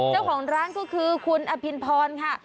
เจ้าของร้านก็คือคุณอภินพรค่ะ